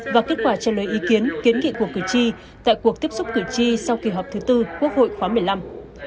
và kết quả trả lời ý kiến kiến nghị của cử tri tại cuộc tiếp xúc cử tri sau kỳ họp thứ tư quốc hội khóa một mươi năm